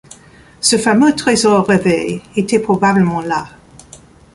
Ce fameux trésor rêvé était probablement là.